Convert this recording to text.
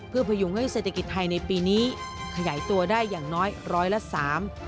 เพื่อพยุงให้เศรษฐกิจไทยในปีนี้ขยายตัวได้อย่างน้อยร้อยละสาม